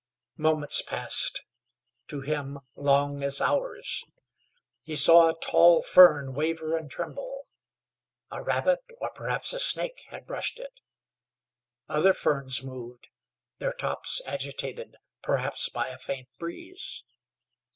Moments, passed to him long as hours. He saw a tall fern waver and tremble. A rabbit, or perhaps a snake, had brushed it. Other ferns moved, their tops agitated, perhaps, by a faint breeze.